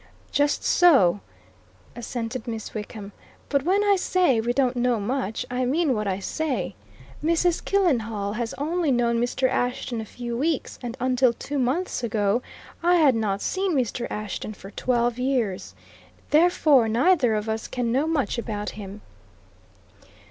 "Just so," assented Miss Wickham. "But when I say we don't know much, I mean what I say. Mrs. Killenhall has only known Mr. Ashton a few weeks, and until two months ago I had not seen Mr. Ashton for twelve years. Therefore, neither of us can know much about him."